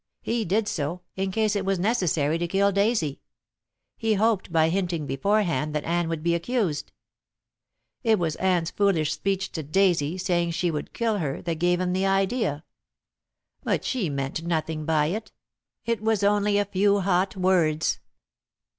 He did so, in case it was necessary to kill Daisy. He hoped by hinting beforehand that Anne would be accused. It was Anne's foolish speech to Daisy, saying she would kill her, that gave him the idea. But she meant nothing by it. It was only a few hot words.